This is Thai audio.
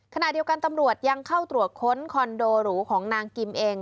ขณะเดียวกันตำรวจยังเข้าตรวจค้นคอนโดหรูของนางกิมเอง